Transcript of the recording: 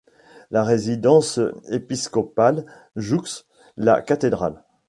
La résidence épiscopale jouxte la cathédrale.